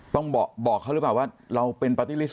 ต้องบอกเขาหรือเปล่าว่าเราเป็นปาร์ตี้ลิสต